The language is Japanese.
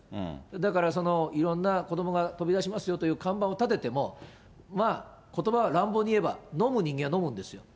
だから、いろんな子どもが飛び出しますよという看板を立てても、まあ、ことばは乱暴に言えば、飲む人間は飲むんです。